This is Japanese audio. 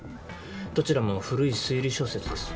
どちらも古い推理小説です。